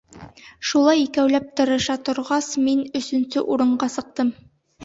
Шулай икәүләп тырыша торғас, мин өсөнсө урынға сыҡтым.